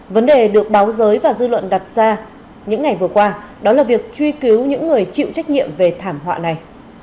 vấn đề được báo giới và dư luận đặt ra những ngày vừa qua đó là việc truy cứu những người chịu trách nhiệm về thảm họa này